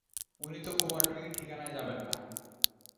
উনি তো কুমারটুলির ঠিকানায় যাবেন না।